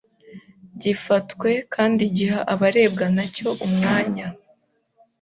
gifatwe kandi giha abarebwa na cyo umwanya